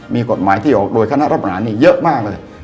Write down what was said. มีกฎหมายที่ออกโดยคณะรับประหารนี่เยอะมากเลย